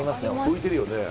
浮いてるよね